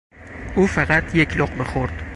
او فقط یک لقمه خورد.